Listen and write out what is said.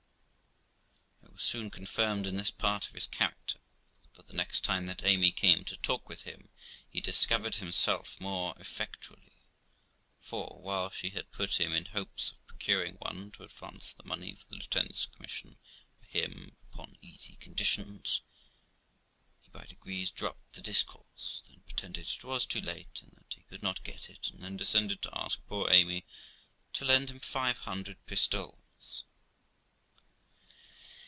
I was soon confirmed in this part of his character, for the next time that Amy came to talk with him, he discovered himself more effectually; for, while she had put him in hopes of procuring one to advance the money for the lieutenant's commission for him upon easy conditions, he by degrees dropped the discourse, then pretended it was too late, and that he could not get it, and then descended to ask poor Amy to lend him five hundred pistoles.